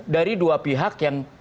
dari dua pihak yang